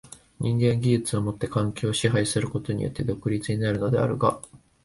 人間は技術をもって環境を支配することによって独立になるのであるが、